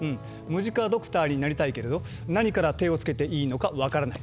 「ムジカドクターになりたいけれど何から手をつけていいのか分からない」。